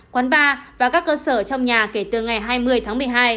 quán bar và các cơ sở trong nhà kể từ ngày hai mươi tháng một mươi hai